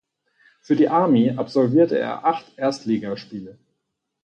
Für die Army absolvierte er acht Erstligaspiele.